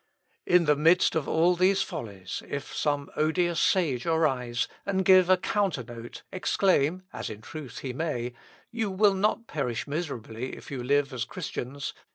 In the midst of all these follies, if some odious sage arise, and, giving a counternote, exclaim, (as in truth he may,) 'You will not perish miserably if you live as Christians.